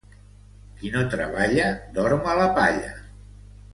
Qui no treballa dorm a la palla.